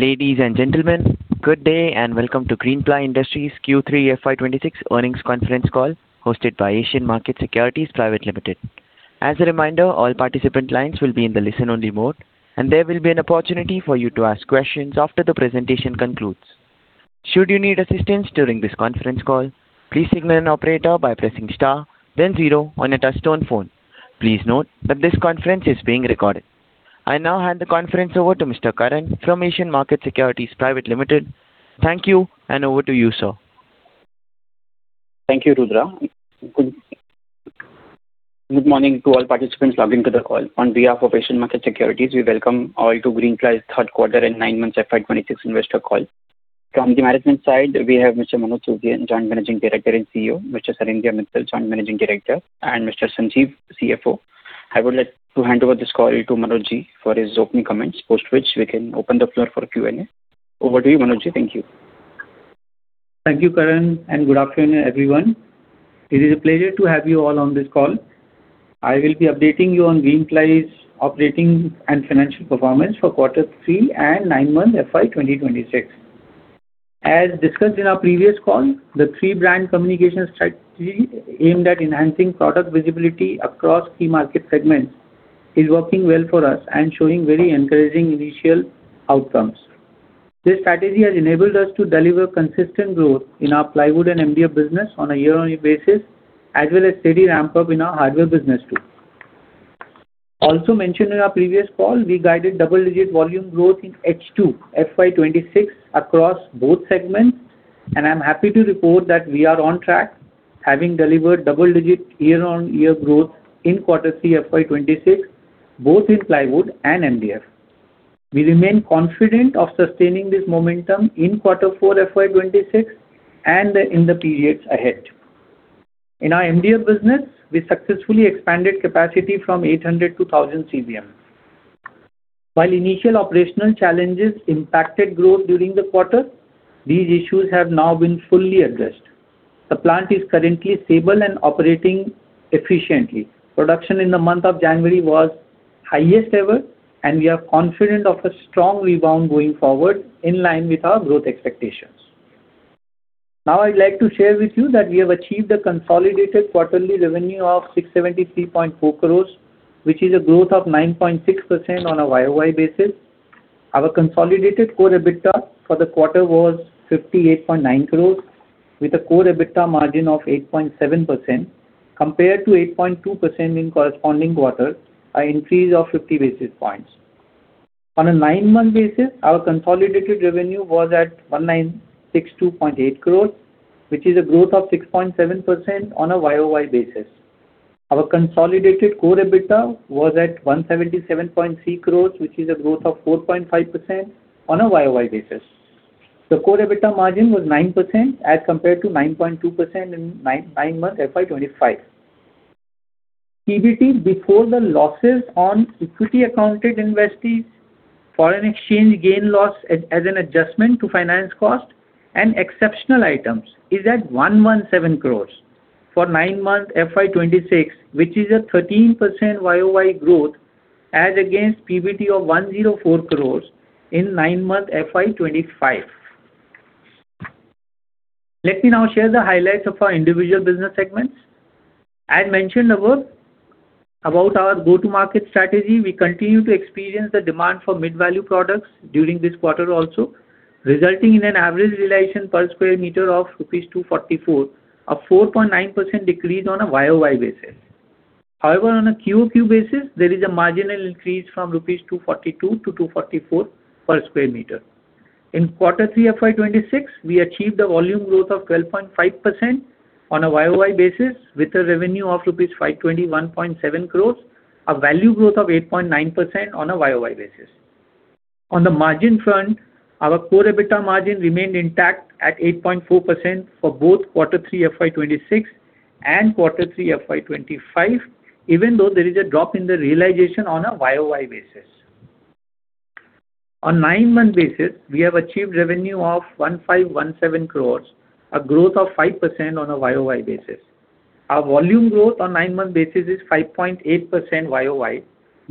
Ladies and gentlemen, good day, and welcome to Greenply Industries' Q3 FY 2026 Earnings Conference Call, hosted by Asian Markets Securities Private Limited. As a reminder, all participant lines will be in the listen-only mode, and there will be an opportunity for you to ask questions after the presentation concludes. Should you need assistance during this conference call, please signal an operator by pressing star then zero on your touchtone phone. Please note that this conference is being recorded. I now hand the conference over to Mr. Karan from Asian Markets Securities Private Limited. Thank you, and over to you, sir. Thank you, Rudra. Good, good morning to all participants logged into the call. On behalf of Asian Markets Securities, we welcome all to Greenply's Third Quarter and Nine months FY 2026 Investor Call. From the management side, we have Mr. Manoj Tulsian, Joint Managing Director and CEO, Mr. Sanidhya Mittal, Joint Managing Director, and Mr. Sanjiv, CFO. I would like to hand over this call to Manoj Ji for his opening comments, post which we can open the floor for Q&A. Over to you, Manoj Ji. Thank you. Thank you, Karan, and good afternoon, everyone. It is a pleasure to have you all on this call. I will be updating you on Greenply's operating and financial performance for quarter three and nine-month FY 2026. As discussed in our previous call, the three brand communication strategy aimed at enhancing product visibility across key market segments is working well for us and showing very encouraging initial outcomes. This strategy has enabled us to deliver consistent growth in our plywood and MDF business on a year-on-year basis, as well as steady ramp-up in our hardware business, too. Also mentioned in our previous call, we guided double-digit volume growth in H2 FY 2026 across both segments, and I'm happy to report that we are on track, having delivered double digit year-on-year growth in quarter three FY 2026, both in plywood and MDF. We remain confident of sustaining this momentum in quarter four FY 2026, and in the periods ahead. In our MDF business, we successfully expanded capacity from 800-1,000 CBM. While initial operational challenges impacted growth during the quarter, these issues have now been fully addressed. The plant is currently stable and operating efficiently. Production in the month of January was highest ever, and we are confident of a strong rebound going forward in line with our growth expectations. Now, I'd like to share with you that we have achieved a consolidated quarterly revenue of 673.4 crores, which is a growth of 9.6% on a YOY basis. Our consolidated core EBITDA for the quarter was 58.9 crores, with a core EBITDA margin of 8.7%, compared to 8.2% in corresponding quarter, an increase of 50 basis points. On a nine-month basis, our consolidated revenue was at 1,962.8 crores, which is a growth of 6.7% on a YOY basis. Our consolidated core EBITDA was at 177.3 crores, which is a growth of 4.5% on a YOY basis. The core EBITDA margin was 9% as compared to 9.2% in 9M FY 2025. PBT, before the losses on equity accounted investees, foreign exchange gain loss as an adjustment to finance cost and exceptional items, is at 117 crores. For 9 months FY 2026, which is a 13% year-over-year growth as against PBT of 104 crore in nine months FY 2025. Let me now share the highlights of our individual business segments. As mentioned above, about our go-to-market strategy, we continue to experience the demand for mid-value products during this quarter also, resulting in an average realization per square meter of rupees 244, a 4.9% decrease on a year-over-year basis. However, on a quarter-over-quarter basis, there is a marginal increase from 242-244 rupees per square meter. In Q3 FY 2026, we achieved a volume growth of 12.5% on a year-over-year basis, with a revenue of rupees 521.7 crore, a value growth of 8.9% on a year-over-year basis. On the margin front, our core EBITDA margin remained intact at 8.4% for both quarter three FY 2026 and quarter three FY 2025, even though there is a drop in the realization on a YOY basis. On nine-month basis, we have achieved revenue of 1,517 crores, a growth of 5% on a YOY basis. Our volume growth on nine-month basis is 5.8% YOY,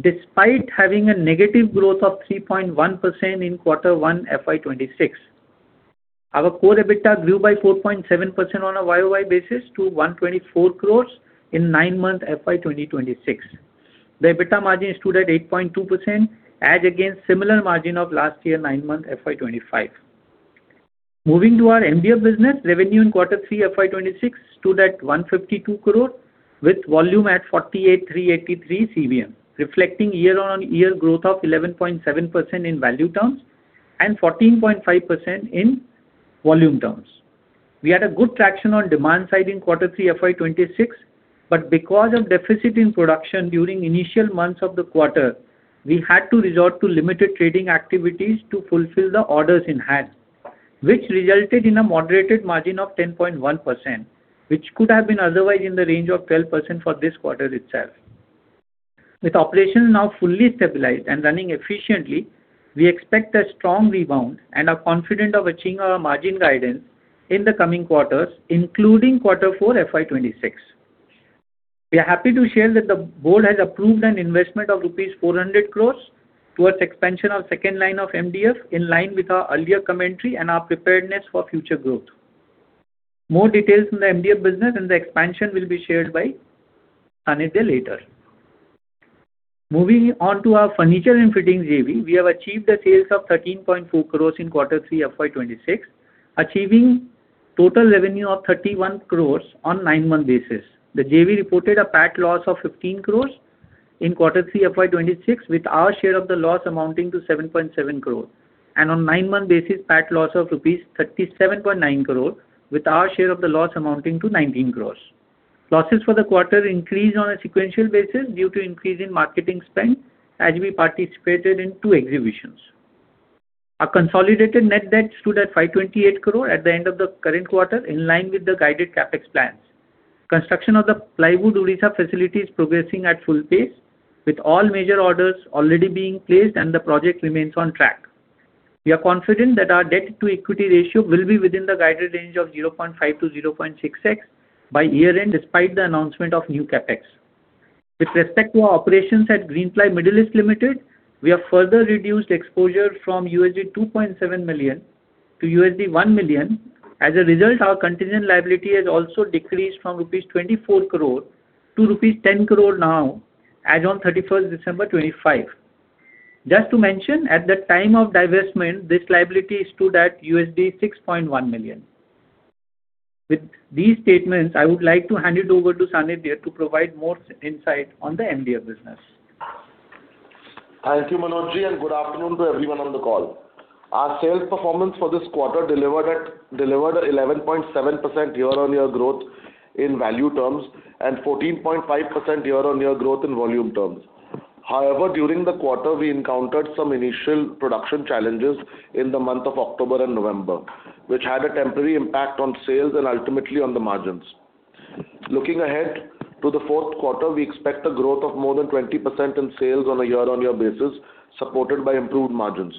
despite having a negative growth of 3.1% in quarter 1, FY 2026. Our core EBITDA grew by 4.7% on a YOY basis to 124 crores in nine months FY 2026. The EBITDA margin stood at 8.2%, as against similar margin of last year, nine months FY 2025. Moving to our MDF business, revenue in quarter three FY 2026 stood at 152 crore, with volume at 48,383 CBM, reflecting year-on-year growth of 11.7% in value terms and 14.5% in volume terms. We had a good traction on demand side in quarter three FY 2026, but because of deficit in production during initial months of the quarter, we had to resort to limited trading activities to fulfill the orders in hand, which resulted in a moderated margin of 10.1%, which could have been otherwise in the range of 12% for this quarter itself. With operations now fully stabilized and running efficiently, we expect a strong rebound and are confident of achieving our margin guidance in the coming quarters, including quarter four, FY 2026. We are happy to share that the Board has approved an investment of rupees 400 crore towards expansion of second line of MDF, in line with our earlier commentary and our preparedness for future growth. More details on the MDF business and the expansion will be shared by Sanidhya later. Moving on to our furniture and fittings JV, we have achieved the sales of 13.4 crore in Q3 of FY 2026, achieving total revenue of 31 crore on 9-month basis. The JV reported a PAT loss of 15 crore in Q3 of FY 2026, with our share of the loss amounting to 7.7 crore. On nine-month basis, PAT loss of rupees 37.9 crore, with our share of the loss amounting to 19 crore. Losses for the quarter increased on a sequential basis due to increase in marketing spend, as we participated in 2 exhibitions. Our consolidated net debt stood at 528 crore at the end of the current quarter, in line with the guided CapEx plans. Construction of the Plywood Odisha facility is progressing at full pace, with all major orders already being placed, and the project remains on track. We are confident that our debt-to-equity ratio will be within the guided range of 0.5-0.6x by year-end, despite the announcement of new CapEx. With respect to our operations at Greenply Middle East Limited, we have further reduced exposure from $2.7 million to $1 million. As a result, our contingent liability has also decreased from rupees 24 crore to rupees 10 crore now, as on 31 December 2025. Just to mention, at the time of divestment, this liability stood at $6.1 million. With these statements, I would like to hand it over to Sanidhya to provide more insight on the MDF business. Thank you, Manoj Ji, and good afternoon to everyone on the call. Our sales performance for this quarter delivered an 11.7% year-over-year growth in value terms and 14.5% year-over-year growth in volume terms. However, during the quarter, we encountered some initial production challenges in the month of October and November, which had a temporary impact on sales and ultimately on the margins. Looking ahead to the fourth quarter, we expect a growth of more than 20% in sales on a year-over-year basis, supported by improved margins.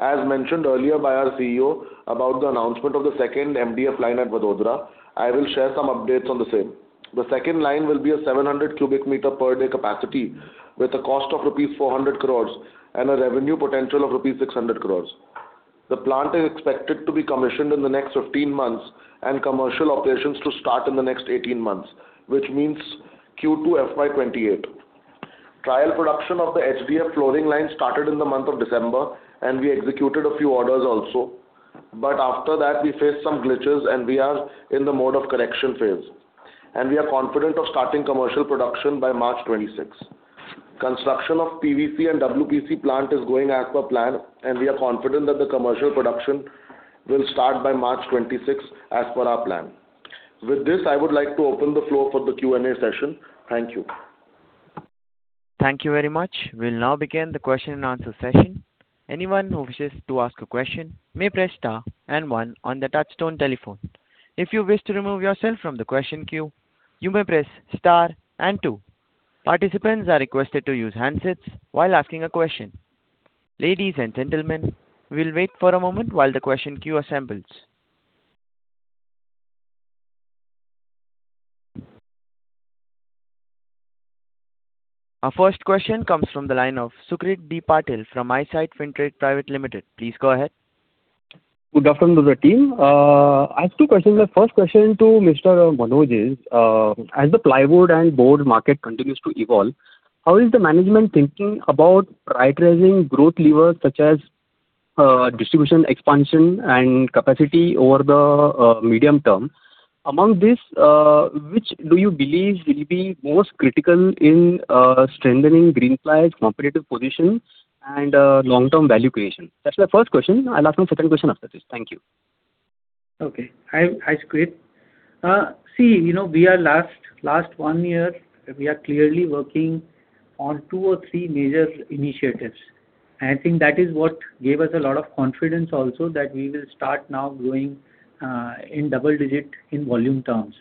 As mentioned earlier by our CEO about the announcement of the second MDF line at Vadodara, I will share some updates on the same. The second line will be a 700 cubic meter per day capacity, with a cost of rupees 400 crore and a revenue potential of rupees 600 crore. The plant is expected to be commissioned in the next 15 months, and commercial operations to start in the next 18 months, which means Q2 FY 2028. Trial production of the HDF flooring line started in the month of December, and we executed a few orders also. But after that, we faced some glitches, and we are in the mode of correction phase, and we are confident of starting commercial production by March 2026. Construction of PVC and WPC plant is going as per plan, and we are confident that the commercial production will start by March 2026, as per our plan. With this, I would like to open the floor for the Q&A session. Thank you. Thank you very much. We'll now begin the question and answer session. Anyone who wishes to ask a question may press star and one on the touchtone telephone. If you wish to remove yourself from the question queue, you may press star and two. Participants are requested to use handsets while asking a question. Ladies and gentlemen, we'll wait for a moment while the question queue assembles. Our first question comes from the line of Sukrit D. Patil from iSight Fintrade Private Limited. Please go ahead. Good afternoon to the team. I have two questions. The first question to Mr. Manoj is, as the plywood and board market continues to evolve, how is the management thinking about prioritizing growth levers, such as, distribution, expansion, and capacity over the, medium term? Among these, which do you believe will be most critical in, strengthening Greenply's competitive position and, long-term value creation? That's my first question. I'll ask my second question after this. Thank you. Okay. Hi, hi, Sukrit. See, you know, we are last one year we are clearly working on two or three major initiatives, and I think that is what gave us a lot of confidence also that we will start now growing in double-digit in volume terms.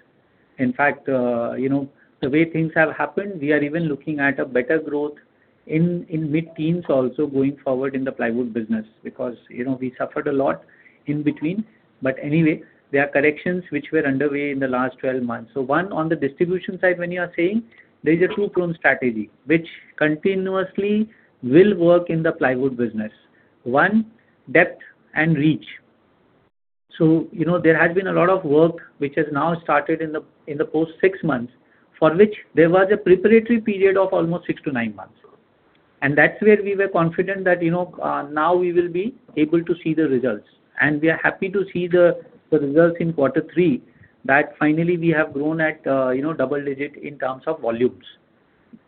In fact, you know, the way things have happened, we are even looking at a better growth in mid-teens also going forward in the plywood business, because, you know, we suffered a lot in between. But anyway, there are corrections which were underway in the last 12 months. So one, on the distribution side, when you are saying, there is a two-pronged strategy, which continuously will work in the plywood business. One, depth and reach. So, you know, there has been a lot of work which has now started in the, in the past six months, for which there was a preparatory period of almost six to nine months. And that's where we were confident that, you know, now we will be able to see the results. And we are happy to see the results in quarter three, that finally we have grown at, you know, double-digit in terms of volumes.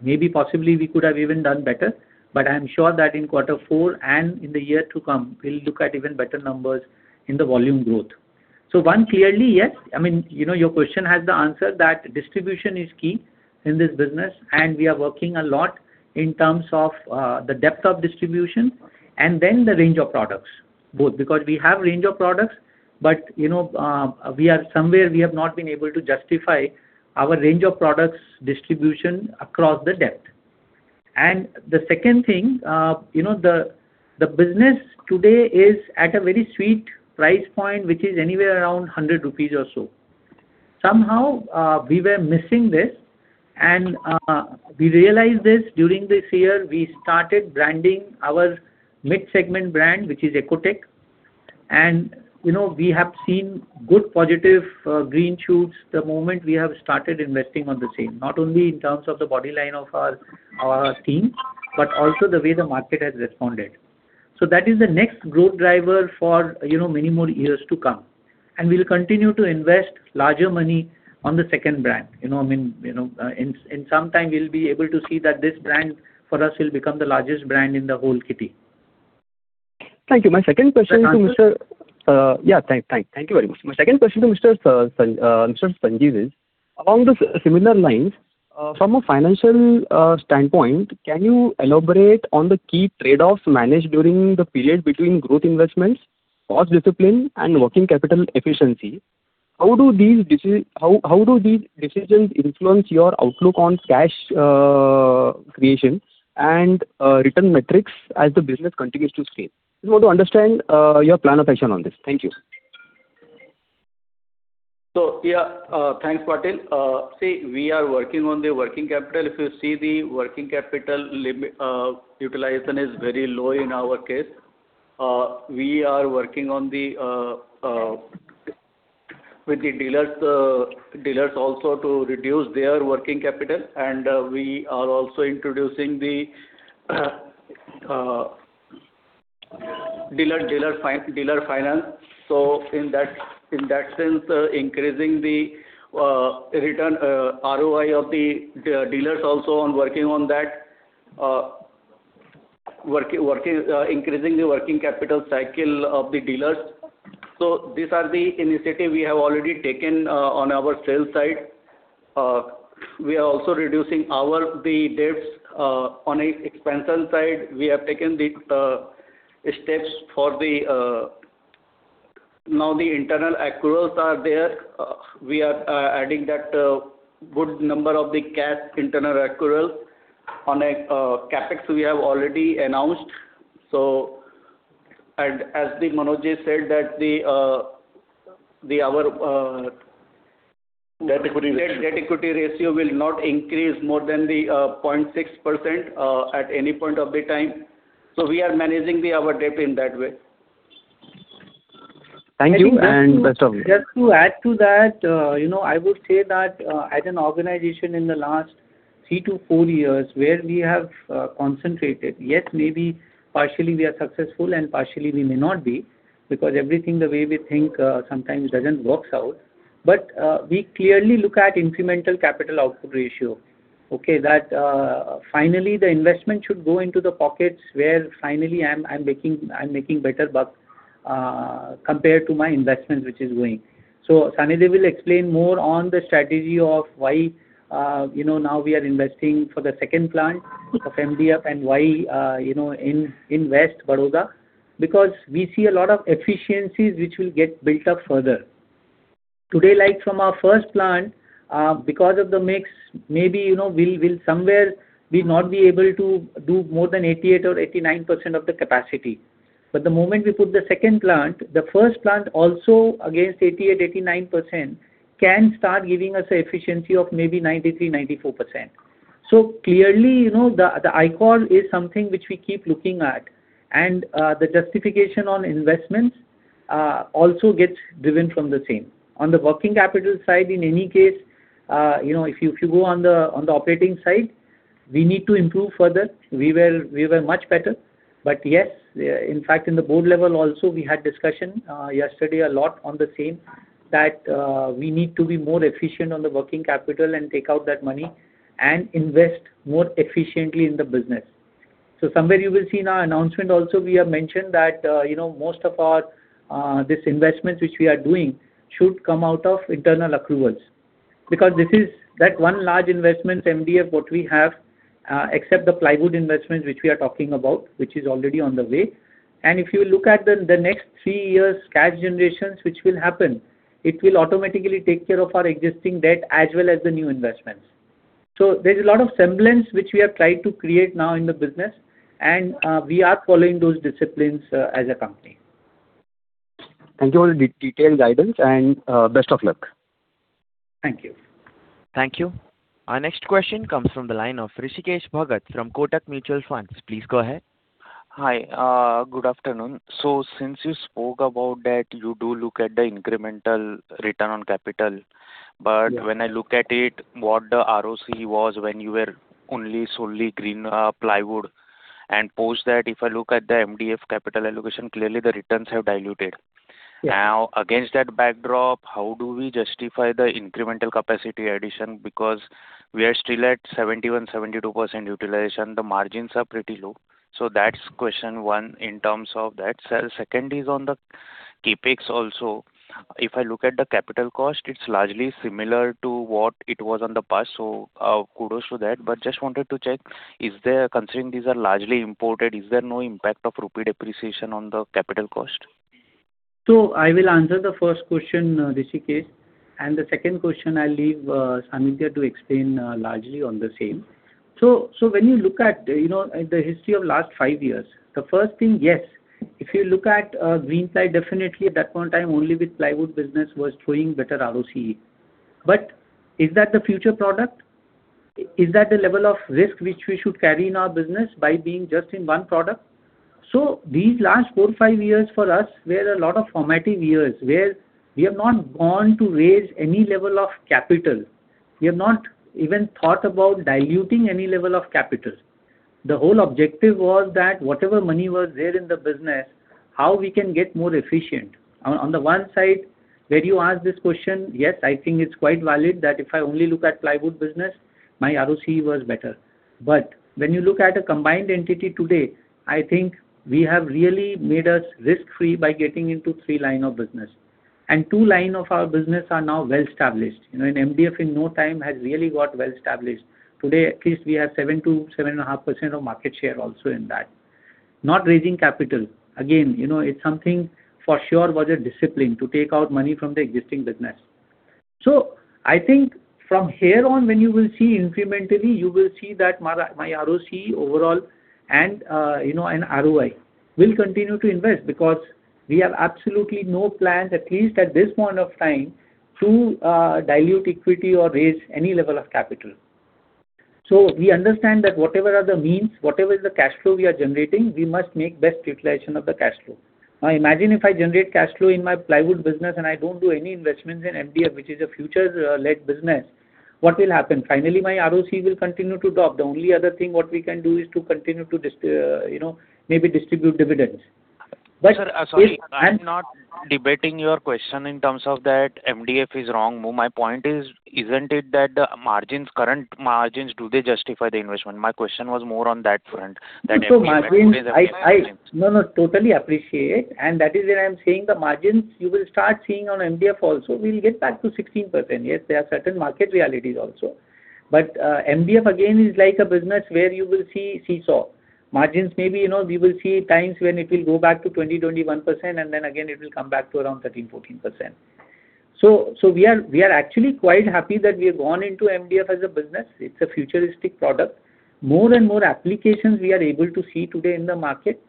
Maybe possibly we could have even done better, but I'm sure that in quarter four and in the year to come, we'll look at even better numbers in the volume growth. So one, clearly, yes, I mean, you know, your question has the answer, that distribution is key in this business, and we are working a lot in terms of the depth of distribution and then the range of products, both. Because we have range of products, but, you know, we are somewhere, we have not been able to justify our range of products' distribution across the depth. And the second thing, you know, the business today is at a very sweet price point, which is anywhere around 100 rupees or so. Somehow, we were missing this, and we realized this during this year. We started branding our mid-segment brand, which is Ecotec, and, you know, we have seen good, positive, green shoots the moment we have started investing on the same, not only in terms of the body line of our, our team, but also the way the market has responded. So that is the next growth driver for, you know, many more years to come. And we'll continue to invest larger money on the second brand. You know what I mean? You know, in, in some time, we'll be able to see that this brand, for us, will become the largest brand in the whole kitty. Thank you. My second question to Mr- Thank you. Thank you very much. My second question to Mr. Sanjiv is, along the similar lines, from a financial standpoint, can you elaborate on the key trade-offs managed during the period between growth investments, cost discipline, and working capital efficiency? How do these decisions influence your outlook on cash creation and return metrics as the business continues to scale? Just want to understand your plan of action on this. Thank you. So, yeah, thanks, Patil. See, we are working on the working capital. If you see the working capital limit, utilization is very low in our case. We are working on the with the dealers, dealers also to reduce their working capital, and we are also introducing the dealer finance. So in that sense, increasing the return ROI of the dealers also on working on that, working increasing the working capital cycle of the dealers. So these are the initiative we have already taken on our sales side. We are also reducing our the debts. On expense side, we have taken the steps for the now the internal accruals are there. We are adding that good number of the cash internal accrual. On a CapEx, we have already announced. So... And as Manoj said, that our-- Debt-equity ratio. Debt-equity ratio will not increase more than the 0.6%, at any point of the time. So we are managing our debt in that way. Thank you, and best of luck. Just to add to that, you know, I would say that, as an organization in the last three to four years, where we have, concentrated, yes, maybe partially we are successful and partially we may not be, because everything, the way we think, sometimes doesn't works out. But, we clearly look at incremental capital output ratio, okay? That, finally, the investment should go into the pockets where finally I'm, I'm making, I'm making better buck, compared to my investment which is going. So Sanjeev will explain more on the strategy of why, you know, now we are investing for the second plant of MDF, and why, you know, in, in West Baroda, because we see a lot of efficiencies which will get built up further. Today, like from our first plant, because of the mix, maybe, you know, we'll somewhere not be able to do more than 88% or 89% of the capacity. But the moment we put the second plant, the first plant also, against 88%-89%, can start giving us an efficiency of maybe 93%-94%. So clearly, you know, the ICOR is something which we keep looking at, and the justification on investments also gets driven from the same. On the working capital side, in any case, you know, if you go on the operating side, we need to improve further. We were much better. But yes, in fact, in the board level also, we had discussion yesterday a lot on the same, that we need to be more efficient on the working capital and take out that money, and invest more efficiently in the business. So somewhere you will see in our announcement also, we have mentioned that, you know, most of our this investments which we are doing should come out of internal accruals. Because this is that one large investment, MDF, what we have, except the plywood investments, which we are talking about, which is already on the way. And if you look at the next three years' cash generations, which will happen, it will automatically take care of our existing debt as well as the new investments. So there is a lot of semblance which we have tried to create now in the business, and we are following those disciplines as a company. Thank you for the detailed guidance, and best of luck. Thank you. Thank you. Our next question comes from the line of Hrishikesh Bhagat from Kotak Mutual Fund. Please go ahead. Hi, good afternoon. Since you spoke about that, you do look at the incremental return on capital, but- Yeah. When I look at it, what the ROC was when you were only solely Greenply plywood, and post that, if I look at the MDF capital allocation, clearly the returns have diluted. Yeah. Now, against that backdrop, how do we justify the incremental capacity addition? Because we are still at 71%-72% utilization. The margins are pretty low. So that's question one in terms of that. So second is on the CapEx also. If I look at the capital cost, it's largely similar to what it was on the past, so, kudos to that. But just wanted to check, is there, considering these are largely imported, is there no impact of rupee depreciation on the capital cost? ... So I will answer the first question, Hrishikesh, and the second question I'll leave, Sanjiv to explain, largely on the same. So, so when you look at, you know, the history of last five years, the first thing, yes, if you look at, Greenply, definitely at that point in time, only with plywood business was showing better ROCE. But is that the future product? Is that the level of risk which we should carry in our business by being just in one product? So these last four, five years for us were a lot of formative years, where we have not gone to raise any level of capital. We have not even thought about diluting any level of capital. The whole objective was that whatever money was there in the business, how we can get more efficient. On the one side, where you ask this question, yes, I think it's quite valid that if I only look at plywood business, my ROCE was better. But when you look at a combined entity today, I think we have really made us risk-free by getting into three line of business, and two line of our business are now well-established. You know, and MDF in no time has really got well-established. Today, at least we have 7%-7.5% of market share also in that. Not raising capital, again, you know, it's something for sure was a discipline to take out money from the existing business. So I think from here on, when you will see incrementally, you will see that my ROCE overall and, you know, and ROI. We'll continue to invest because we have absolutely no plans, at least at this point of time, to dilute equity or raise any level of capital. So we understand that whatever are the means, whatever is the cash flow we are generating, we must make best utilization of the cash flow. Now, imagine if I generate cash flow in my plywood business, and I don't do any investments in MDF, which is a future-led business, what will happen? Finally, my ROCE will continue to drop. The only other thing what we can do is to continue to you know, maybe distribute dividends. But- Sir, sorry, I'm not debating your question in terms of that MDF is wrong. My point is, isn't it that the margins, current margins, do they justify the investment? My question was more on that front, that- So margins. No, no, totally appreciate, and that is where I'm saying the margins you will start seeing on MDF also will get back to 16%. Yes, there are certain market realities also. But MDF, again, is like a business where you will see seesaw. Margins, maybe, you know, we will see times when it will go back to 20, 21%, and then again, it will come back to around 13, 14%. So we are actually quite happy that we have gone into MDF as a business. It's a futuristic product. More and more applications we are able to see today in the market,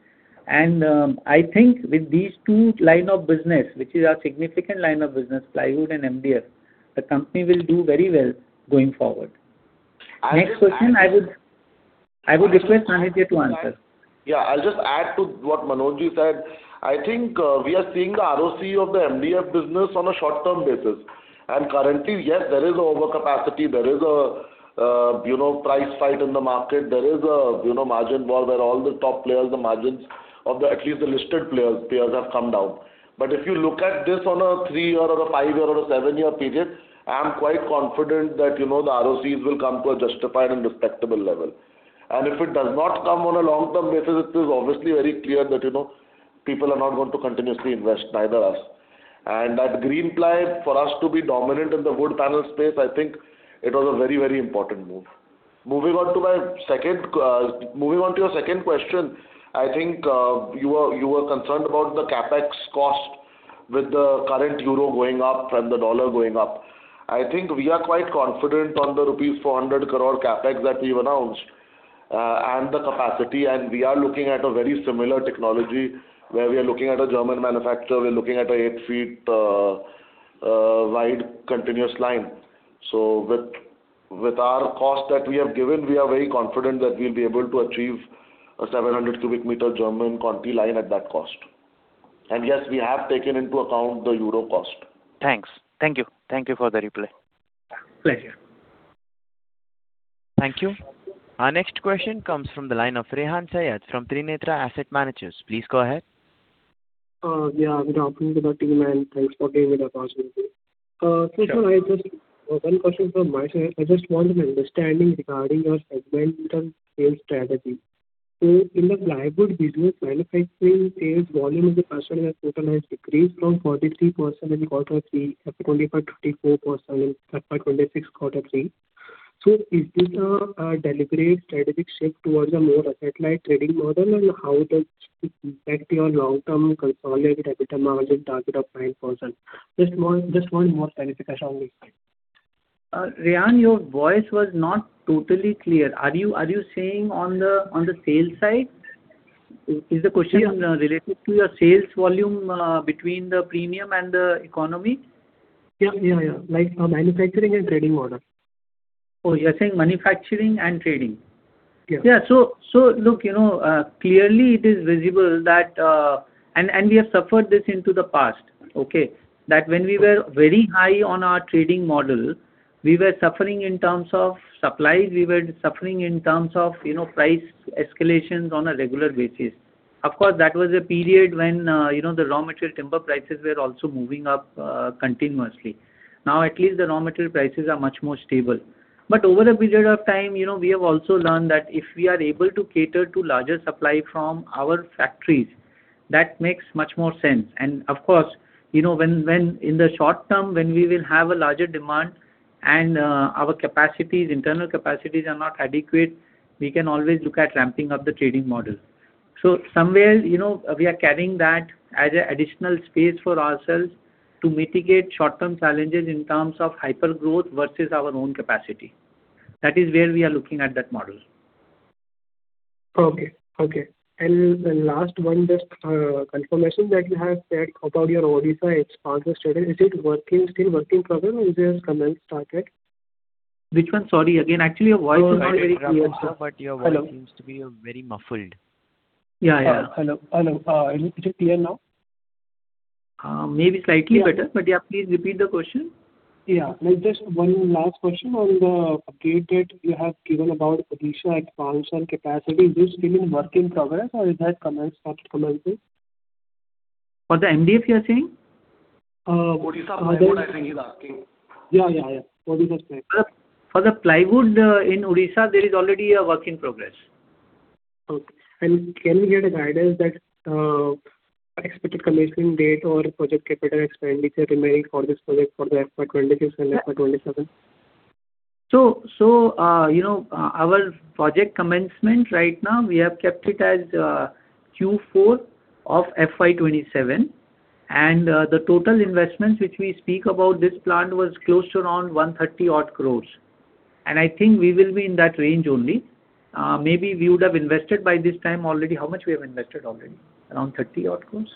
and I think with these two line of business, which is our significant line of business, plywood and MDF, the company will do very well going forward. I will add- Next question, I would request Sanjeev to answer. Yeah, I'll just add to what Manoj ji said. I think, we are seeing the ROC of the MDF business on a short-term basis. And currently, yes, there is overcapacity, there is a, you know, price fight in the market, there is a, you know, margin war, where all the top players, the margins of the, at least the listed players, players have come down. But if you look at this on a three-year or a five-year or a seven-year period, I am quite confident that, you know, the ROCs will come to a justified and respectable level. And if it does not come on a long-term basis, it is obviously very clear that, you know, people are not going to continuously invest, neither us. And that Greenply, for us to be dominant in the wood panel space, I think it was a very, very important move. Moving on to my second, moving on to your second question, I think, you were, you were concerned about the CapEx cost with the current euro going up and the dollar going up. I think we are quite confident on the rupees 400 crore CapEx that we've announced, and the capacity, and we are looking at a very similar technology, where we are looking at a German manufacturer, we're looking at an 8-foot wide continuous line. So with, with our cost that we have given, we are very confident that we'll be able to achieve a 700 cubic meter German Conti line at that cost. And yes, we have taken into account the euro cost. Thanks. Thank you. Thank you for the reply. Thank you. Thank you. Our next question comes from the line of Rehan Sayyed, from Trinetra Asset Managers. Please go ahead. Yeah, good afternoon to the team, and thanks for giving the opportunity. So I just have one question from my side. I just want an understanding regarding your segment and sales strategy. So in the plywood business, manufacturing is volume of the customer has total has decreased from 43% in quarter three to 25-34% in quarter twenty-six, quarter three. So is this a deliberate strategic shift towards a more asset-light trading model, and how does it impact your long-term consolidated capital margin target of 9%? Just one, just one more clarification on this side. Rehan, your voice was not totally clear. Are you, are you saying on the, on the sales side? Is the question- Yeah. -related to your sales volume, between the premium and the economy? Yeah, yeah, yeah. Like manufacturing and trading model. Oh, you're saying manufacturing and trading? Yeah. Yeah. So, look, you know, clearly it is visible that... and we have suffered this in the past, okay? That when we were very high on our trading model, we were suffering in terms of supplies, we were suffering in terms of, you know, price escalations on a regular basis. Of course, that was a period when, you know, the raw material timber prices were also moving up, continuously. Now, at least the raw material prices are much more stable. But over a period of time, you know, we have also learned that if we are able to cater to larger supply from our factories, that makes much more sense. And of course, you know, when in the short term, when we will have a larger demand and our capacities, internal capacities are not adequate-... We can always look at ramping up the trading model. So somewhere, you know, we are carrying that as an additional space for ourselves to mitigate short-term challenges in terms of hypergrowth versus our own capacity. That is where we are looking at that model. Okay, okay. The last one, just, confirmation that you have said about your Odisha expansion strategy. Is it working, still working progress or is it commencement started? Which one? Sorry, again, actually your voice is not very clear, sir. But your voice seems to be very muffled. Yeah, yeah. Hello, hello. Is it clear now? Maybe slightly better, but, yeah, please repeat the question. Yeah. Just one last question on the update that you have given about Odisha expansion capacity. Is this still in work in progress or is that commenced, started completely? For the MDF, you are saying? Uh- Odisha, I think he's asking. Yeah, yeah, yeah. Odisha. For the plywood, in Odisha, there is already a work in progress. Okay. And can we get a guidance that, expected commissioning date or project capital expenditure remained for this project for the FY 2026 and FY 2027? So, you know, our project commencement right now, we have kept it as Q4 of FY 2027. The total investments which we speak about this plant was close to around 130 crores. I think we will be in that range only. Maybe we would have invested by this time already. How much we have invested already? Around 30 crores?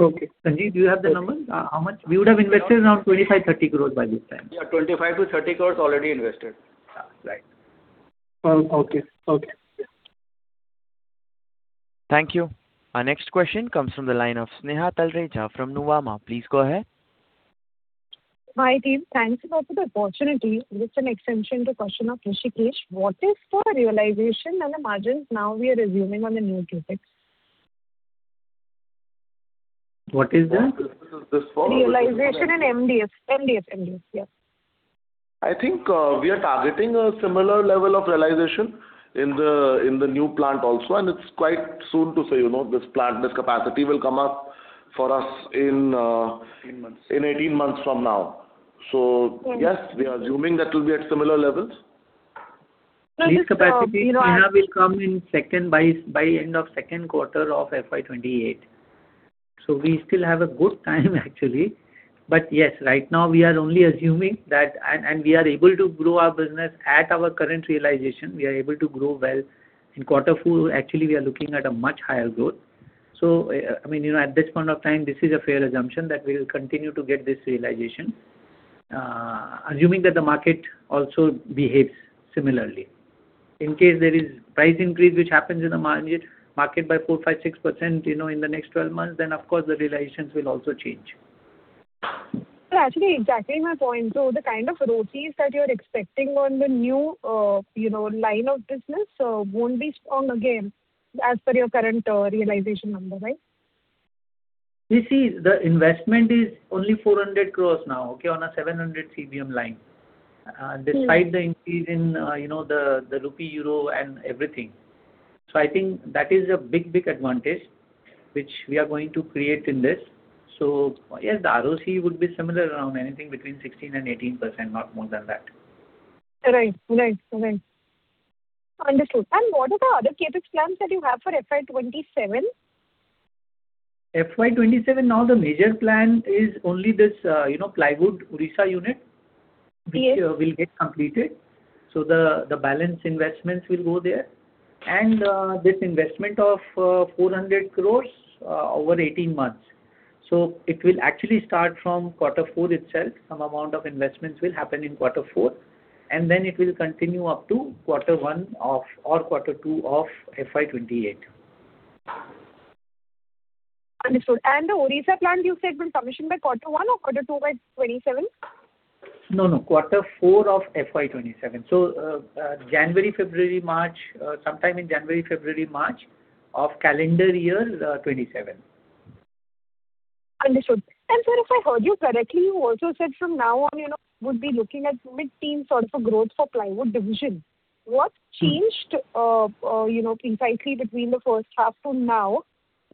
Okay. Sanjeev, do you have the number? How much? We would have invested around 25-30 crores by this time. Yeah, 25-30 crores already invested. Yeah, right. Okay. Okay. Thank you. Our next question comes from the line of Sneha Talreja from Nuvama. Please go ahead. Hi, team. Thanks a lot for the opportunity. Just an extension to question of Hrishikesh. What is the realization and the margins now we are resuming on the new CapEx? What is that? What is this for? Realization in MDF. MDF, MDF, yeah. I think, we are targeting a similar level of realization in the, in the new plant also, and it's quite soon to say, you know, this plant, this capacity will come up for us in, 18 months. in 18 months from now. So yes, we are assuming that will be at similar levels. This capacity, Sneha, will come in second half by end of second quarter of FY 2028. So we still have a good time actually. But yes, right now we are only assuming that... And we are able to grow our business at our current realization. We are able to grow well. In quarter four, actually, we are looking at a much higher growth. So, I mean, you know, at this point of time, this is a fair assumption that we will continue to get this realization, assuming that the market also behaves similarly. In case there is price increase, which happens in the market by 4%-6%, you know, in the next 12 months, then, of course, the realizations will also change. But actually, exactly my point. So the kind of ROEs that you're expecting on the new, you know, line of business, won't be strong again, as per your current realization number, right? You see, the investment is only 400 crore now, okay, on a 700 CBM line. Despite the increase in, you know, the, the rupee/euro and everything. So I think that is a big, big advantage which we are going to create in this. So yes, the ROCE would be similar, around anything between 16% and 18%, not more than that. Right. Right. Right. Understood. And what are the other CapEx plans that you have for FY 27? FY 2027, now the major plan is only this, you know, plywood Odisha unit- Yes... which will get completed. So the balance investments will go there. And this investment of 400 crore over 18 months. So it will actually start from quarter four itself. Some amount of investments will happen in quarter four, and then it will continue up to quarter one or quarter two of FY 2028. Understood. The Odisha plant, you said, will commission by quarter one or quarter two by 2027? No, no, quarter four of FY 2027. So, January, February, March, sometime in January, February, March of calendar year 2027. Understood. And sir, if I heard you correctly, you also said from now on, you know, we'd be looking at mid-teen sort of a growth for plywood division. What's changed, you know, precisely between the first half to now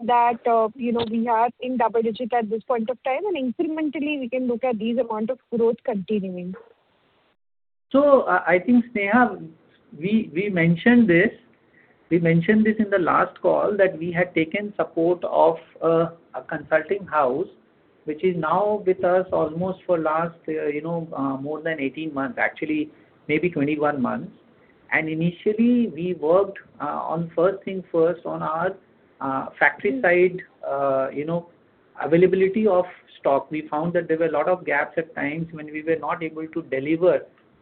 that, you know, we are in double digit at this point of time, and incrementally, we can look at these amount of growth continuing? So I think, Sneha, we mentioned this in the last call, that we had taken support of a consulting house, which is now with us almost for last you know more than 18 months, actually, maybe 21 months. And initially, we worked on first thing first, on our factory side, you know, availability of stock. We found that there were a lot of gaps at times when we were not able to deliver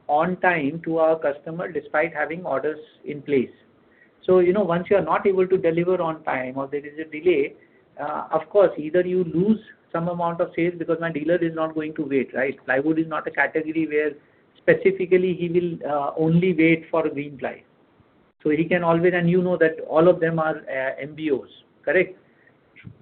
on time to our customer, despite having orders in place. So, you know, once you are not able to deliver on time or there is a delay, of course, either you lose some amount of sales because my dealer is not going to wait, right? Plywood is not a category where specifically he will only wait for Greenply. So he can always... And you know that all of them are, MBOs. Correct?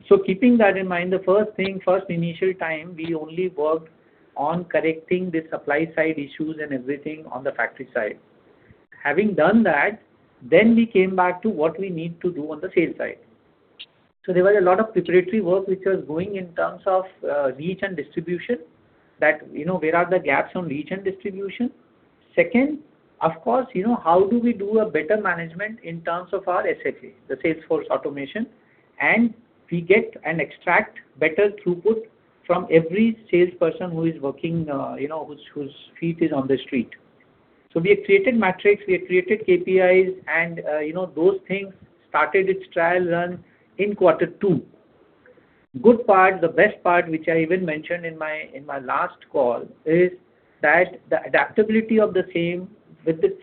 So keeping that in mind, the first thing, first initial time, we only worked on correcting the supply side issues and everything on the factory side. Having done that, then we came back to what we need to do on the sales side. So there was a lot of preparatory work which was going in terms of, reach and distribution, that, you know, where are the gaps on reach and distribution? Second, of course, you know, how do we do a better management in terms of our SLA, the sales force automation, and we get and extract better throughput from every salesperson who is working, you know, whose feet is on the street. So we have created metrics, we have created KPIs, and, you know, those things started its trial run in quarter two. Good part, the best part, which I even mentioned in my, in my last call, is that the adaptability of the same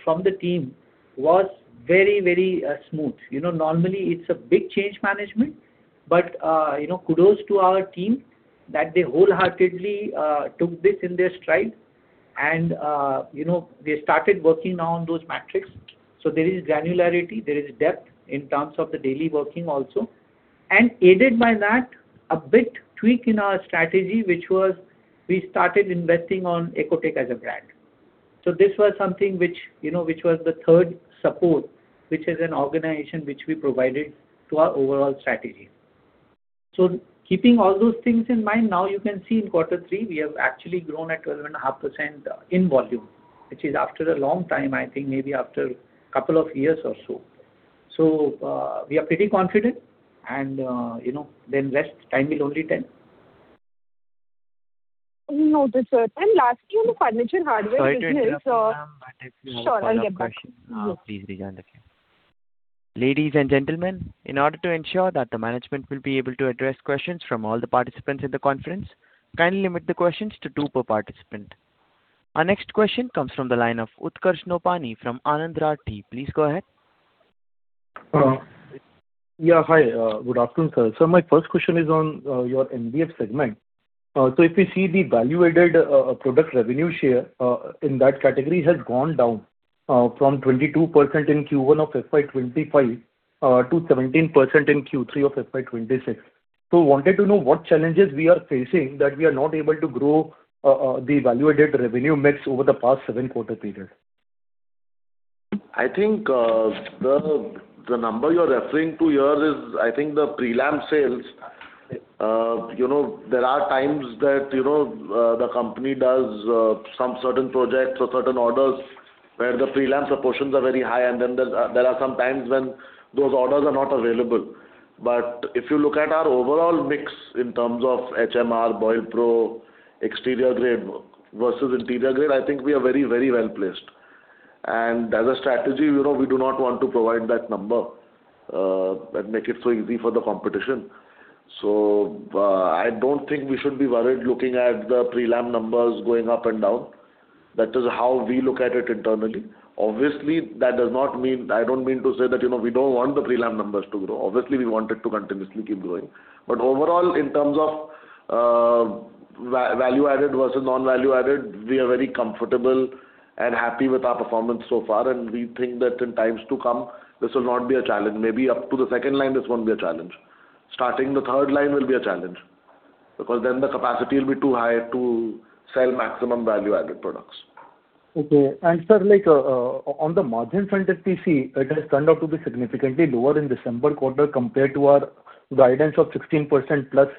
from the team was very, very smooth. You know, normally it's a big change management, but, you know, kudos to our team, that they wholeheartedly took this in their stride and, you know, they started working on those metrics. So there is granularity, there is depth in terms of the daily working also. And aided by that, a big tweak in our strategy, which was we started investing on Ecotech as a brand. So this was something which, you know, which was the third support, which is an organization which we provided to our overall strategy. So keeping all those things in mind, now you can see in quarter three, we have actually grown at 12.5% in volume, which is after a long time, I think maybe after a couple of years or so. So, we are pretty confident, and, you know, then rest, time will only tell. Noted, sir. Lastly, on the furniture hardware business- Sorry to interrupt, ma'am, but I think we have follow-up questions. Sure, I'll get back. Please rejoin the queue. Ladies and gentlemen, in order to ensure that the management will be able to address questions from all the participants in the conference, kindly limit the questions to two per participant. Our next question comes from the line of Utkarsh Nopany, from Anand Rathi. Please go ahead. Yeah. Hi, good afternoon, sir. So my first question is on your MDF segment. So if you see the value-added product revenue share in that category has gone down from 22% in Q1 of FY 2025 to 17% in Q3 of FY 2026. So wanted to know what challenges we are facing that we are not able to grow the value-added revenue mix over the past seven-quarter period? I think, the number you're referring to here is, I think the prelam sales. You know, there are times that, you know, the company does some certain projects or certain orders where the prelam proportions are very high, and then there's, there are some times when those orders are not available. But if you look at our overall mix in terms of HMR, Boil Pro, exterior grade versus interior grade, I think we are very, very well-placed. And as a strategy, you know, we do not want to provide that number that make it so easy for the competition. So, I don't think we should be worried looking at the prelam numbers going up and down. That is how we look at it internally. Obviously, that does not mean... I don't mean to say that, you know, we don't want the prelam numbers to grow. Obviously, we want it to continuously keep growing. But overall, in terms of value-added versus non-value added, we are very comfortable and happy with our performance so far, and we think that in times to come, this will not be a challenge. Maybe up to the second line, this won't be a challenge. Starting the third line will be a challenge, because then the capacity will be too high to sell maximum value-added products. Okay. And, sir, like, on the margin front, PC, it has turned out to be significantly lower in December quarter compared to our guidance of 16%+,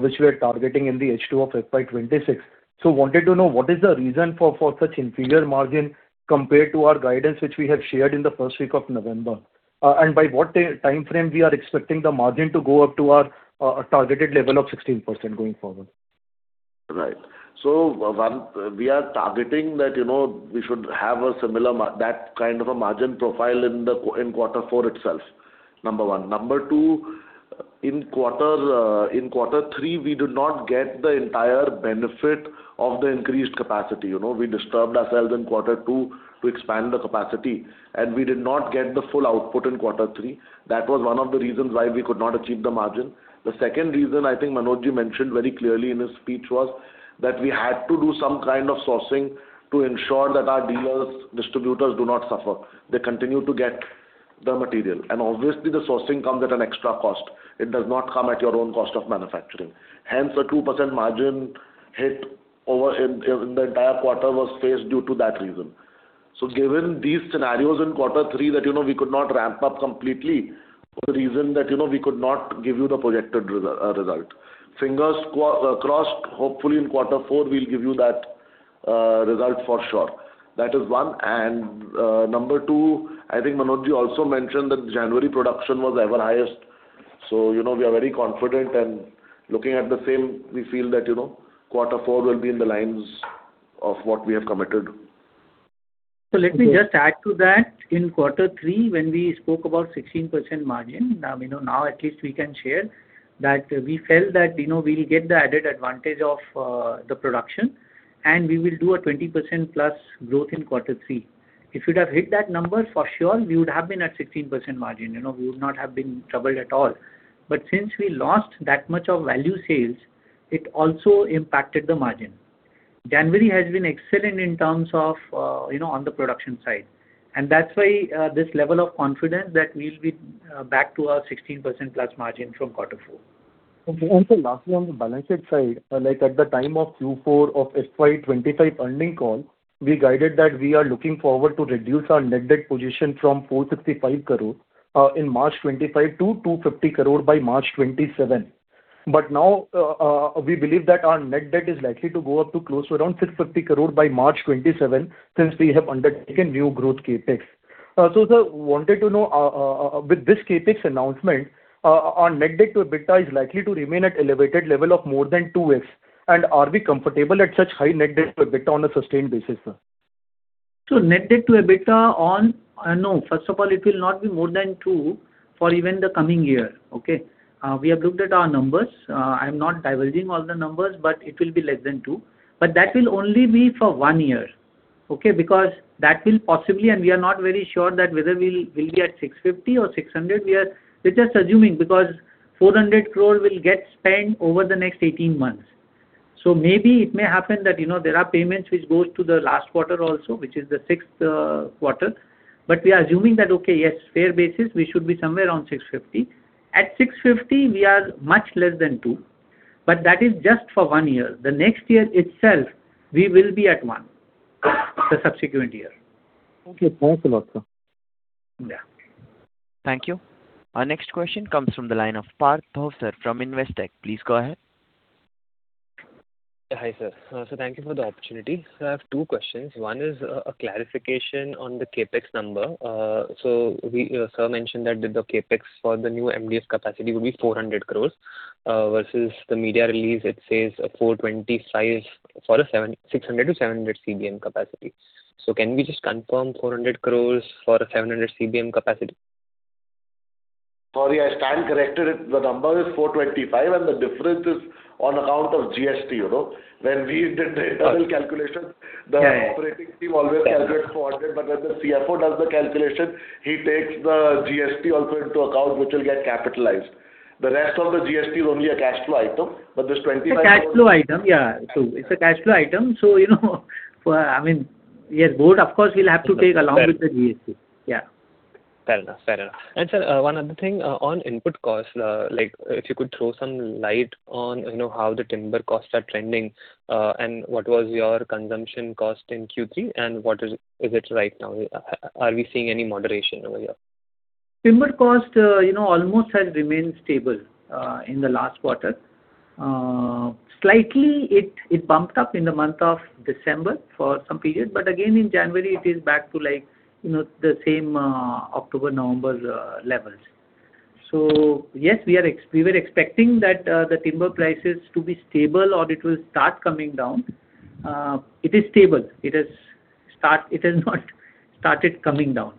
which we are targeting in the H2 of FY 2026. So wanted to know what is the reason for such inferior margin compared to our guidance, which we have shared in the first week of November? And by what time frame we are expecting the margin to go up to our targeted level of 16% going forward? Right. So one, we are targeting that, you know, we should have a similar margin profile, that kind of a margin profile in the quarter four itself, number one. Number two, in quarter, in quarter three, we did not get the entire benefit of the increased capacity. You know, we disturbed ourselves in quarter two to expand the capacity, and we did not get the full output in quarter three. That was one of the reasons why we could not achieve the margin. The second reason, I think Manoj mentioned very clearly in his speech, was that we had to do some kind of sourcing to ensure that our dealers, distributors do not suffer. They continue to get the material, and obviously the sourcing comes at an extra cost. It does not come at your own cost of manufacturing. Hence, the 2% margin hit over in the entire quarter was faced due to that reason. So given these scenarios in quarter three, that, you know, we could not ramp up completely, for the reason that, you know, we could not give you the projected result. Fingers crossed, hopefully in quarter four, we'll give you that result for sure. That is one. And number two, I think Manoj also mentioned that January production was ever highest. So, you know, we are very confident, and looking at the same, we feel that, you know, quarter four will be in the lines of what we have committed. So let me just add to that. In quarter three, when we spoke about 16% margin, you know, now at least we can share, that we felt that, you know, we'll get the added advantage of, the production, and we will do a 20%+ growth in quarter three. If we'd have hit that number, for sure, we would have been at 16% margin, you know, we would not have been troubled at all. But since we lost that much of value sales, it also impacted the margin. January has been excellent in terms of, you know, on the production side, and that's why, this level of confidence that we'll be, back to our 16%+ margin from quarter four. Okay, and sir, lastly, on the balance sheet side, like at the time of Q4 of FY 2025 earning call, we guided that we are looking forward to reduce our net debt position from 455 crore in March 2025 to 250 crore by March 2027. But now, we believe that our net debt is likely to go up to close to around 650 crore by March 2027, since we have undertaken new growth CapEx. So sir, wanted to know, with this CapEx announcement, our net debt to EBITDA is likely to remain at elevated level of more than 2x, and are we comfortable at such high net debt to EBITDA on a sustained basis, sir? So net debt to EBITDA on, no, first of all, it will not be more than two for even the coming year. Okay? We have looked at our numbers. I'm not divulging all the numbers, but it will be less than two. But that will only be for one year, okay? Because that will possibly, and we are not very sure that whether we'll be at 650 crore or 600 crore. We're just assuming, because 400 crore will get spent over the next 18 months. So maybe it may happen that, you know, there are payments which goes to the last quarter also, which is the sixth quarter. But we are assuming that, okay, yes, fair basis, we should be somewhere around 650 crore. At 650 crore, we are much less than two, but that is just for one year. The next year itself, we will be at one, the subsequent year. Okay. Thanks a lot, sir. Yeah. Thank you. Our next question comes from the line of Parth Bhavsar from Investec. Please go ahead. Hi, sir. So thank you for the opportunity. Sir, I have two questions. One is, a clarification on the CapEx number. So we, sir mentioned that the, the CapEx for the new MDF capacity would be 400 crore, versus the media release, it says, 425 crore for a 600-700 CBM capacity. So can we just confirm 400 crore for a 700 CBM capacity? Sorry, I stand corrected. The number is 425, and the difference is on account of GST, you know. When we did the internal calculation- Yeah. the operating team always calculates 400, but when the CFO does the calculation, he takes the GST also into account, which will get capitalized. The rest of the GST is only a cash flow item, but this 25- It's a cash flow item, yeah. So it's a cash flow item, so, you know, I mean, yes, both, of course, will have to take along with the GST. Yeah. Fair enough. Fair enough. And sir, one other thing, on input costs, like, if you could throw some light on, you know, how the timber costs are trending, and what was your consumption cost in Q3, and what is, is it right now? Are we seeing any moderation over here? Timber cost, you know, almost has remained stable in the last quarter. Slightly, it bumped up in the month of December for some period, but again, in January, it is back to, like, you know, the same October, November levels. So yes, we were expecting that, the timber prices to be stable or it will start coming down. It is stable. It has not started coming down.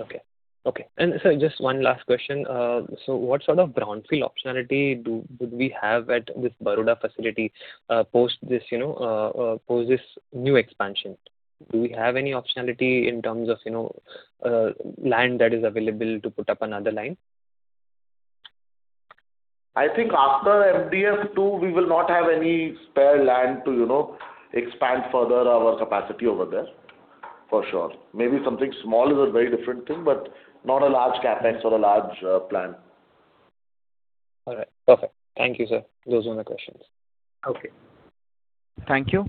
Okay. Okay. And sir, just one last question. So what sort of brownfield optionality do we have at this Baroda facility, post this, you know, post this new expansion? Do we have any optionality in terms of, you know, land that is available to put up another line? I think after MDF two, we will not have any spare land to, you know, expand further our capacity over there, for sure. Maybe something small is a very different thing, but not a large CapEx or a large, plant. All right. Perfect. Thank you, sir. Those were my questions. Okay. Thank you.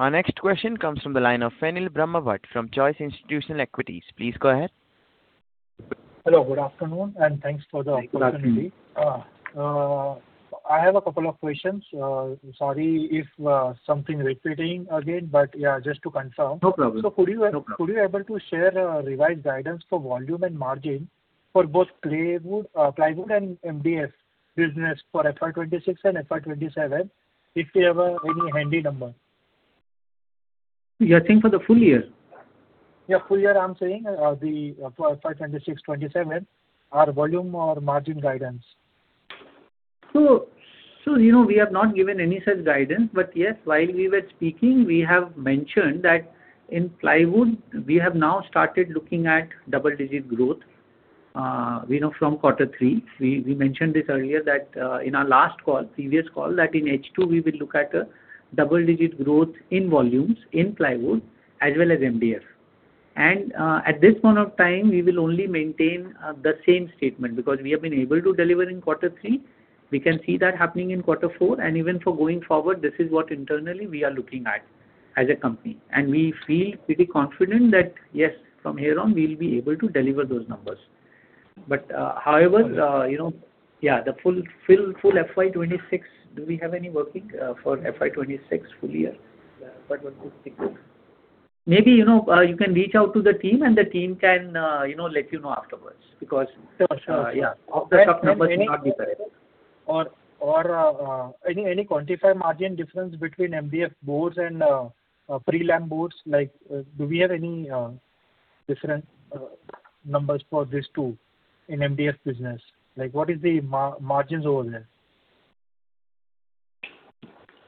Our next question comes from the line of Fenil Brahmbhatt from Choice Institutional Equities. Please go ahead. Hello, good afternoon, and thanks for the opportunity. Good afternoon. I have a couple of questions. Sorry if something repeating again, but yeah, just to confirm. No problem. Could you No problem... could you able to share, revised guidance for volume and margin for both plywood, plywood and MDF business for FY 26 and FY 27, if you have, any handy number? You're asking for the full year? Yeah, full year, I'm saying, the for FY 2026, 2027, our volume or margin guidance. So, so, you know, we have not given any such guidance, but yes, while we were speaking, we have mentioned that in plywood, we have now started looking at double-digit growth, you know, from quarter three. We, we mentioned this earlier that, in our last call, previous call, that in H2, we will look at a double-digit growth in volumes, in plywood, as well as MDF. And, at this point of time, we will only maintain, the same statement, because we have been able to deliver in quarter three. We can see that happening in quarter four, and even for going forward, this is what internally we are looking at as a company. And we feel pretty confident that, yes, from here on, we'll be able to deliver those numbers. But, however- Got it. You know, yeah, the full FY 2026, do we have any working for FY 2026 full year? One quick thing. Maybe, you know, you can reach out to the team, and the team can, you know, let you know afterwards, because- For sure. Yeah, of the numbers may not be correct. Any quantified margin difference between MDF boards and prelam boards? Like, do we have any different numbers for these two in MDF business? Like, what is the margins over there?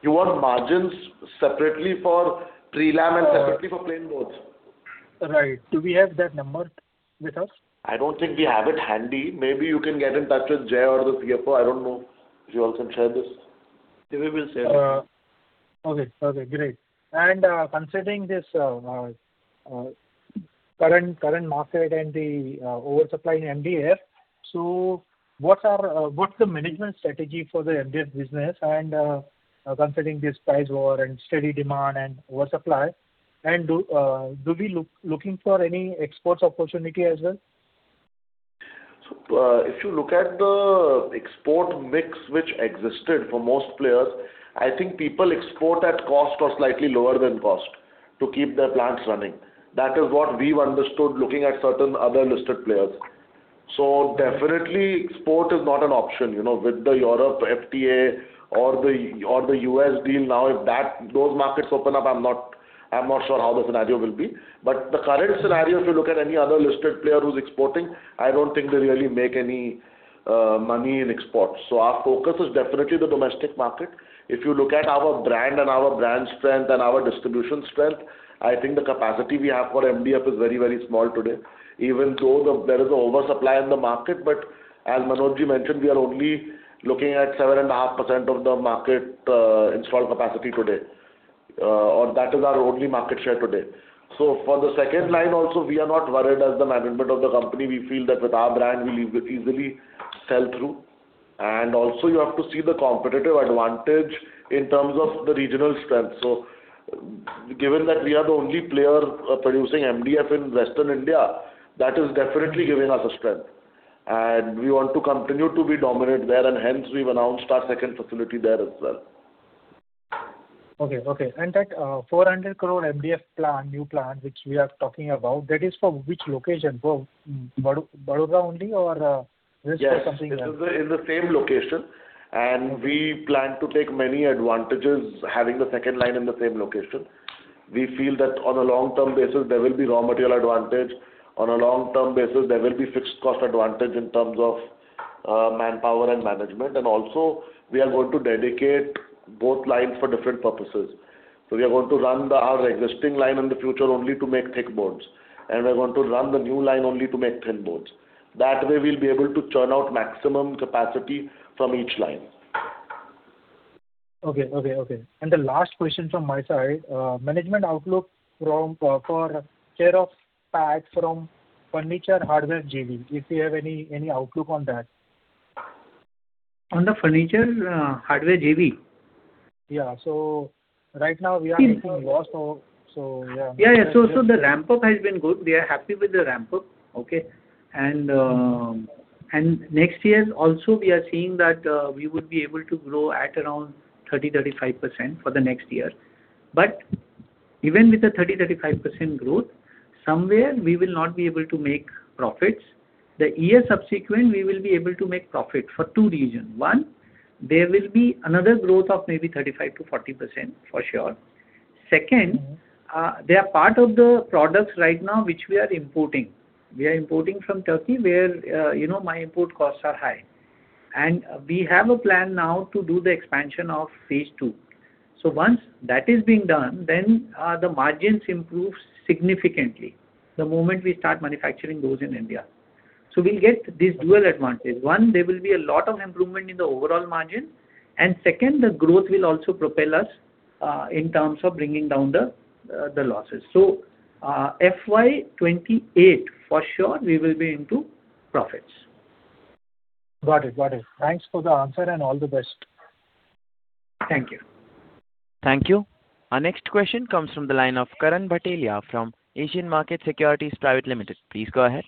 You want margins separately for Prelam and separately for plain boards? Right. Do we have that number with us? I don't think we have it handy. Maybe you can get in touch with Jay or the CFO. I don't know. She also shared this. Yeah, we will share this.... Okay, okay, great! And, considering this, current, current market and the, oversupply in MDF, so what are, what's the management strategy for the MDF business, and, considering this price war and steady demand and oversupply, and do, do we look, looking for any exports opportunity as well? So, if you look at the export mix which existed for most players, I think people export at cost or slightly lower than cost to keep their plants running. That is what we've understood, looking at certain other listed players. So definitely, export is not an option, you know, with the Europe FTA or the U.S. deal now, if that—those markets open up, I'm not sure how the scenario will be. But the current scenario, if you look at any other listed player who's exporting, I don't think they really make any money in exports. So our focus is definitely the domestic market. If you look at our brand and our brand strength and our distribution strength, I think the capacity we have for MDF is very, very small today. Even though there is an oversupply in the market, but as Manoj mentioned, we are only looking at 7.5% of the market, installed capacity today, or that is our only market share today. So for the second line also, we are not worried as the management of the company. We feel that with our brand, we'll easily sell through. And also, you have to see the competitive advantage in terms of the regional strength. So given that we are the only player, producing MDF in Western India, that is definitely giving us a strength. And we want to continue to be dominant there, and hence we've announced our second facility there as well. Okay, okay. That 400 crore MDF plant, new plant, which we are talking about, that is for which location? For Baroda only, or something else? Yes, it is in the same location, and we plan to take many advantages having the second line in the same location. We feel that on a long-term basis, there will be raw material advantage. On a long-term basis, there will be fixed cost advantage in terms of manpower and management. And also we are going to dedicate both lines for different purposes. So we are going to run our existing line in the future only to make thick boards, and we're going to run the new line only to make thin boards. That way, we'll be able to churn out maximum capacity from each line. Okay, okay, okay. The last question from my side, management outlook for share of PAT from furniture hardware JV, if you have any, any outlook on that? On the furniture hardware JV? Yeah. So right now, we are making a loss, so, yeah. Yeah, yeah. So, so the ramp-up has been good. We are happy with the ramp-up, okay? And, and next year also, we are seeing that, we would be able to grow at around 30%-35% for the next year. But even with the 30%-35% growth, somewhere we will not be able to make profits. The year subsequent, we will be able to make profit for two reasons: One, there will be another growth of maybe 35%-40%, for sure. Second- They are part of the products right now, which we are importing. We are importing from Turkey, where, you know, my import costs are high. We have a plan now to do the expansion of phase two. Once that is being done, then, the margins improve significantly, the moment we start manufacturing those in India. We'll get this dual advantage. One, there will be a lot of improvement in the overall margin, and second, the growth will also propel us, in terms of bringing down the, the losses. FY 2028, for sure, we will be into profits. Got it. Got it. Thanks for the answer, and all the best. Thank you. Thank you. Our next question comes from the line of Karan Bhatelia from Asian Markets Securities Private Limited. Please go ahead.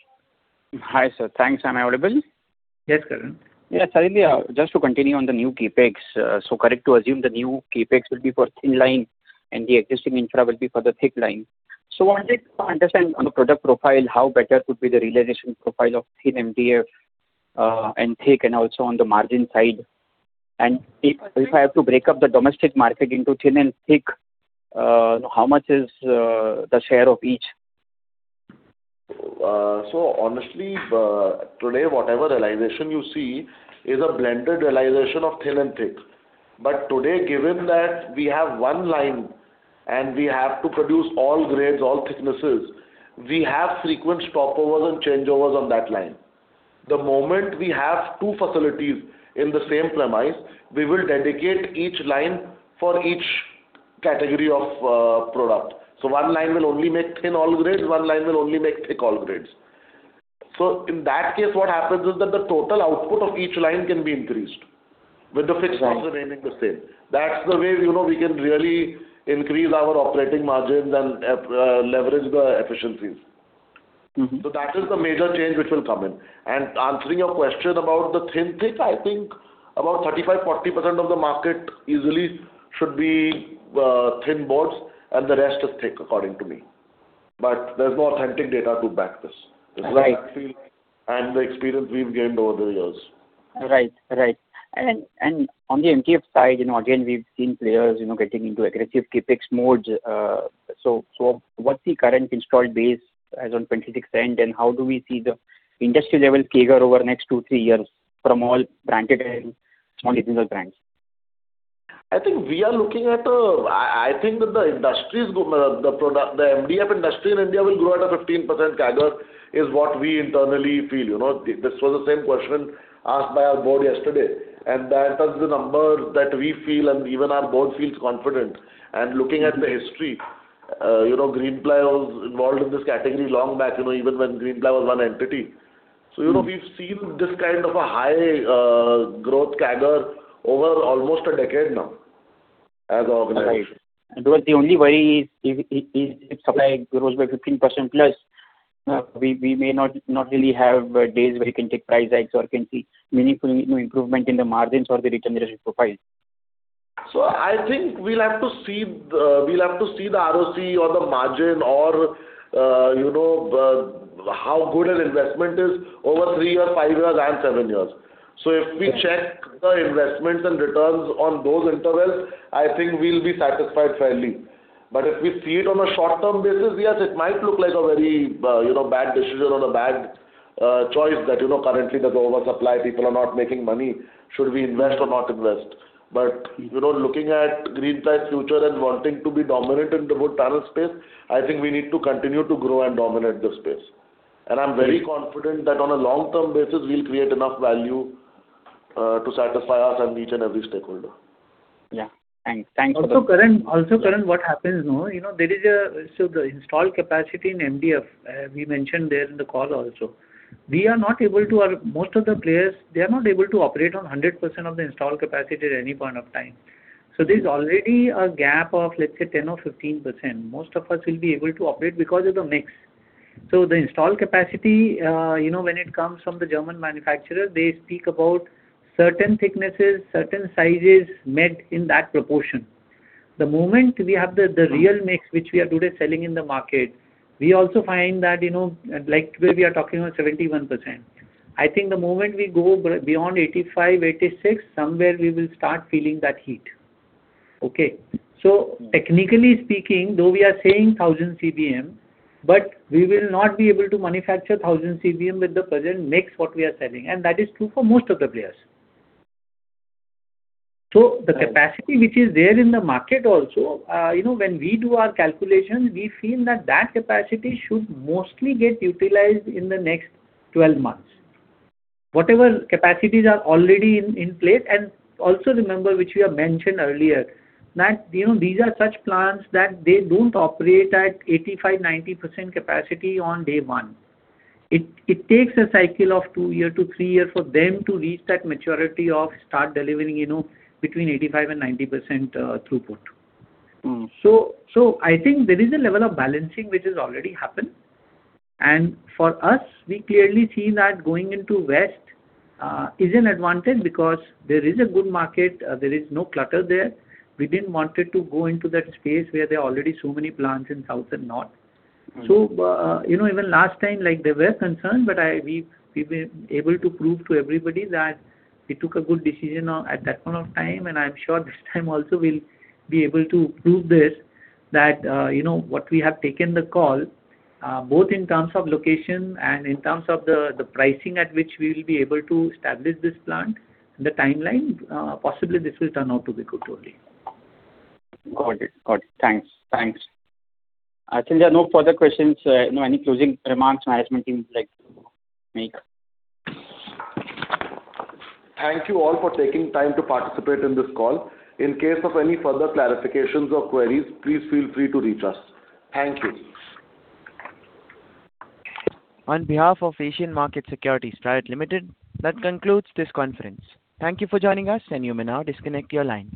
Hi, sir. Thanks. Am I audible? Yes, Karan. Yeah, totally. Just to continue on the new CapEx, so correct to assume the new CapEx will be for thin line, and the existing infra will be for the thick line. So I wanted to understand on the product profile, how better could be the realization profile of thin MDF, and thick, and also on the margin side? And if I have to break up the domestic market into thin and thick, how much is the share of each? So honestly, today, whatever realization you see is a blended realization of thin and thick. But today, given that we have one line, and we have to produce all grades, all thicknesses, we have frequent stopovers and changeovers on that line. The moment we have two facilities in the same premise, we will dedicate each line for each category of product. So one line will only make thin all grades, one line will only make thick all grades. So in that case, what happens is that the total output of each line can be increased, with the fixed costs- Right... remaining the same. That's the way, you know, we can really increase our operating margins and leverage the efficiencies. Mm-hmm. That is the major change which will come in. Answering your question about the thin, thick, I think about 35-40% of the market easily should be thin boards, and the rest is thick, according to me. There's no authentic data to back this. Right. The experience we've gained over the years. Right. Right. And on the MDF side, you know, again, we've seen players, you know, getting into aggressive CapEx modes, so what's the current installed base as on 2026 end, and how do we see the industry level CAGR over the next two, three years from all branded and non-branded brands? I think we are looking at... I think that the MDF industry in India will grow at a 15% CAGR, is what we internally feel, you know. This was the same question asked by our board yesterday, and that is the number that we feel, and even our board feels confident. Looking at the history, you know, Greenply was involved in this category long back, you know, even when Greenply was one entity. So, you know, we've seen this kind of a high growth CAGR over almost a decade now, as an organization. Right. The only worry is if supply grows by 15% plus, we may not really have days where you can take price hikes or can see meaningful, you know, improvement in the margins or the return profile. So I think we'll have to see the, we'll have to see the ROC or the margin or, you know, the how good an investment is over three years, five years and seven years. So if we check the investments and returns on those intervals, I think we'll be satisfied fairly. But if we see it on a short-term basis, yes, it might look like a very, you know, bad decision or a bad, choice that, you know, currently there's oversupply, people are not making money. Should we invest or not invest? But, you know, looking at Greenply's future and wanting to be dominant in the wood panel space, I think we need to continue to grow and dominate this space. And I'm very confident that on a long-term basis, we'll create enough value, to satisfy us and each and every stakeholder. Yeah. Thanks. Thanks for- Also, Karan, also, Karan, what happens now, you know, there is a—so the installed capacity in MDF, we mentioned there in the call also. We are not able to, or most of the players, they are not able to operate on 100% of the installed capacity at any point of time. So there's already a gap of, let's say, 10% or 15%. Most of us will be able to operate because of the mix. So the installed capacity, you know, when it comes from the German manufacturer, they speak about certain thicknesses, certain sizes met in that proportion. The moment we have the, the real mix, which we are today selling in the market, we also find that, you know, like today we are talking about 71%. I think the moment we go beyond 85, 86, somewhere we will start feeling that heat. Okay? So technically speaking, though we are saying 1,000 CBM, but we will not be able to manufacture 1,000 CBM with the present mix, what we are selling, and that is true for most of the players. So the capacity which is there in the market also, you know, when we do our calculations, we feel that that capacity should mostly get utilized in the next 12 months. Whatever capacities are already in place, and also remember, which we have mentioned earlier, that, you know, these are such plants that they don't operate at 85%-90% capacity on day one. It takes a cycle of two years to three years for them to reach that maturity of start delivering, you know, between 85% and 90%, throughput. Mm. So, I think there is a level of balancing which has already happened. For us, we clearly see that going into West is an advantage because there is a good market, there is no clutter there. We didn't wanted to go into that space where there are already so many plants in South and North. Mm. So, you know, even last time, like, they were concerned, but we've, we've been able to prove to everybody that we took a good decision on at that point of time, and I'm sure this time also we'll be able to prove this, that, you know, what we have taken the call, both in terms of location and in terms of the pricing at which we will be able to establish this plant, the timeline, possibly this will turn out to be good only. Got it. Got it. Thanks. Thanks. I think there are no further questions. No, any closing remarks management team would like to make? Thank you all for taking time to participate in this call. In case of any further clarifications or queries, please feel free to reach us. Thank you. On behalf of Asian Markets Securities Private Limited, that concludes this conference. Thank you for joining us, and you may now disconnect your lines.